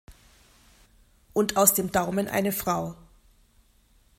Und aus dem Daumen eine Frau.